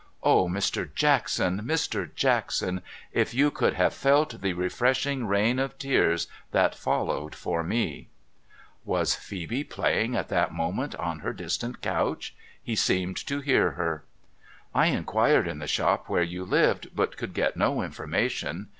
Oh, Mr. Jackson, Mr. Jackson, if you could have felt the refreshing rain of tears that followed for me !' \\'as Phcebc playing at that moment on her distant couch ? He seemed to hear her. ' I inquired in the shop where you lived, but could get no infor mation.